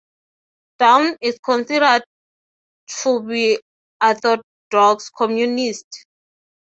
"Dawn" is considered to be orthodox-communist.